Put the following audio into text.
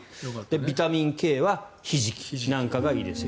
ビタミンＫはひじきなんかがいいですよ。